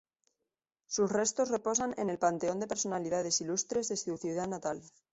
Sus restos reposan en el Panteón de Personalidades Ilustres de su ciudad natal.